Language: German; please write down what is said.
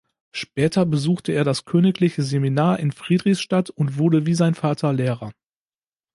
Später besuchte er das Königliche Seminar in Friedrichstadt und wurde wie sein Vater Lehrer.